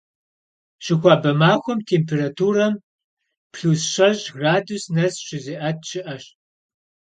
Щыхуабэ махуэм температурам плюс щэщӏ градус нэс щызиӀэт щыӀэщ.